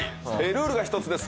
ルールが１つです。